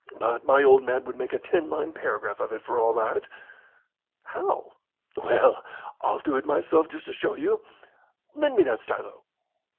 But my old man would make a ten line paragraph of it for all that." "How?" "Well, I'll do it myself just to show you. Lend me that stylo."